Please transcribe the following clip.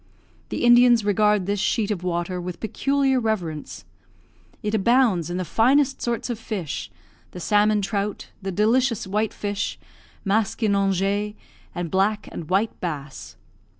The Indians regard this sheet of water with peculiar reverence. It abounds in the finest sorts of fish, the salmon trout, the delicious white fish, maskinonge, and black and white bass.